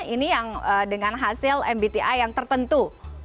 ini yang dengan hasil mbti yang tertentu